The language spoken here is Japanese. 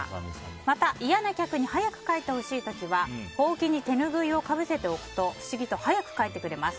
また、嫌な客に早く帰ってほしいときはほうきに手拭いをかぶせておくと不思議と早く帰ってくれます。